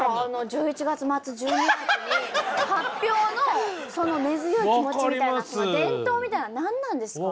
１１月末１２月に発表のその根強い気持ちみたいな伝統みたいなの何なんですか？